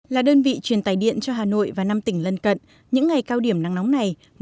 là đơn vị truyền tải điện cho hà nội và năm tỉnh lân cận những ngày cao điểm nắng nóng này